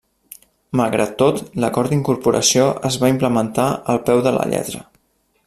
Malgrat tot, l'acord d'incorporació es va implementar al peu de la lletra.